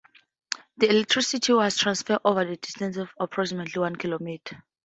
The electricity was transferred over a distance of approximately one kilometer.